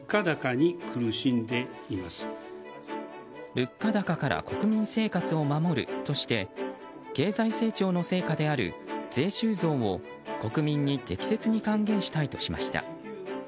物価高から国民生活を守るとして経済成長の成果である税収増を国民に適切に還元したいとしました。